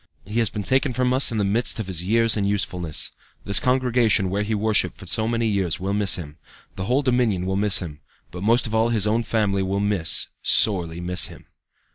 "He has been taken from us in the midst of his years and usefulness. This congregation where he worshipped for so many years will miss him; the whole Dominion will miss him; but most of all his own family will miss, sorely miss him.